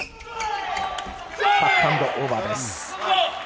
バックハンドオーバーです。